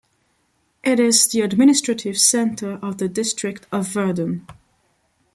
It is the administrative centre of the district of Verden.